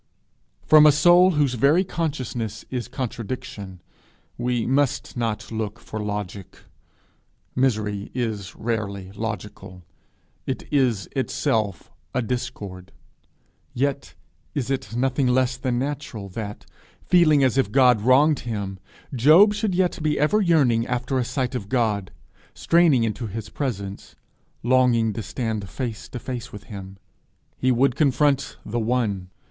From a soul whose very consciousness is contradiction, we must not look for logic; misery is rarely logical; it is itself a discord; yet is it nothing less than natural that, feeling as if God wronged him, Job should yet be ever yearning after a sight of God, straining into his presence, longing to stand face to face with him. He would confront the One.